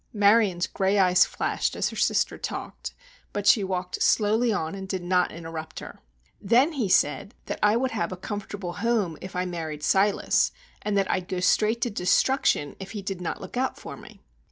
Marion's gray eyes flashed as her sister talked, but she walked slowly on and did not interrupt her. "Then he said that I would have a comfortable home if I married Silas, and that I'd go straight to destruction if he did not look out for me!"